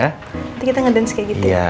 nanti kita ngedance kayak gitu ya